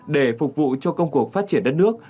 để phục vụ cho công cuộc phát triển đất nước